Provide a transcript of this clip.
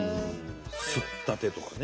「すったて」とかね。